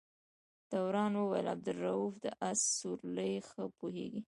دوران وویل عبدالروف د آس سورلۍ ښه پوهېږي.